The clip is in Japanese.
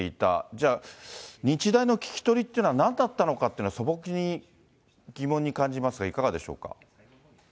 じゃあ、日大の聞き取りっていうのはなかったのかっていうのは、素朴に疑問に感じますが、いかがでしょうか。